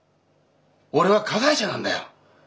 俺は加害者なんだよ。